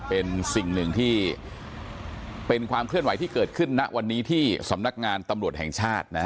เป็นสิ่งหนึ่งที่เป็นความเคลื่อนไหวที่เกิดขึ้นณวันนี้ที่สำนักงานตำรวจแห่งชาติ